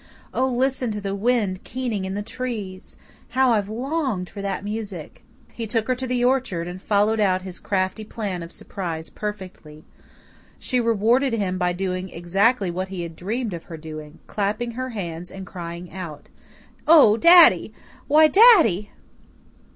Oh, listen to the wind keening in the trees! How I've longed for that music!" He took her to the orchard and followed out his crafty plan of surprise perfectly. She rewarded him by doing exactly what he had dreamed of her doing, clapping her hands and crying out: "Oh, daddy! Why, daddy!"